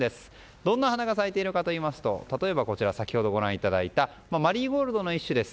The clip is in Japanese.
どんな花が咲いているかといいますと先ほどご覧いただいたマリーゴールドの一種です